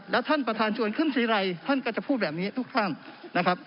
แล้วท่านประธานชวนขึ้นสิรัยท่านก็จะพูดแบบนี้ทุกขั้น